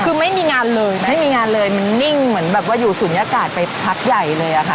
คือไม่มีงานเลยไม่มีงานเลยมันนิ่งเหมือนแบบว่าอยู่ศูนยากาศไปพักใหญ่เลยอะค่ะ